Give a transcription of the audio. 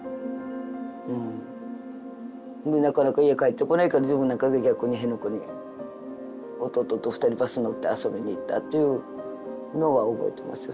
でなかなか家帰ってこないから自分なんか逆に辺野古に弟と２人バスに乗って遊びに行ったっていうのは覚えてますよ。